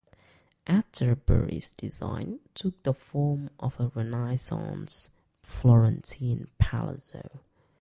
Atterbury's design took the form of a Renaissance Florentine palazzo.